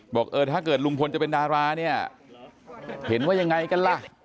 บอกเออถ้าเกิดลุงพลจะเป็นดาราเนี่ยเห็นว่ายังไงกันล่ะ